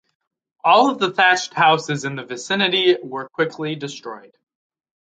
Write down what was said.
All of the thatched houses in the vicinity were quickly destroyed.